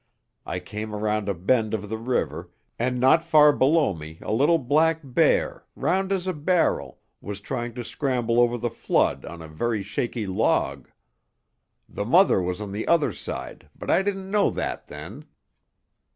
I came around a bend of the river, and not far below me a little black bear, round as a barrel, was trying to scramble over the flood on a very shaky log. The mother was on the other side, but I didn't know that then.